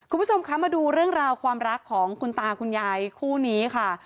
คุณผู้ชมคะมาดูเรื่องราวความรักของคุณตาคุณยายคู่นี้ค่ะ